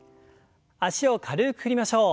脚を軽く振りましょう。